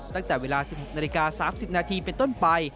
ตั้งแต่เวลา๑๖นาฬิกา๓๐นาทีเป็นต้นไป